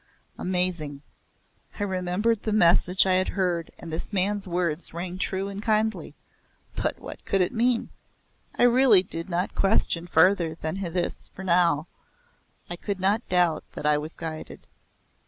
Amazing. I remembered the message I had heard and this man's words rang true and kindly, but what could it mean? I really did not question farther than this for now I could not doubt that I was guided.